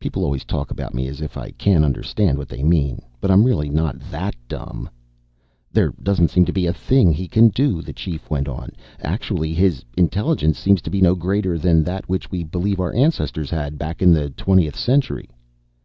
People always talk about me as if I can't understand what they mean. But I'm really not that dumb. "There doesn't seem to be a thing he can do," the Chief went on. "Actually, his intelligence seems to be no greater than that which we believe our ancestors had, back in the twentieth century."